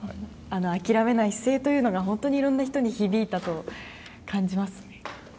諦めない姿勢というのが本当にいろんな人に響いたと感じますね。